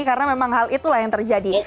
karena memang hal itulah yang terjadi